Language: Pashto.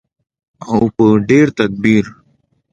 او په ډیر تدبیر.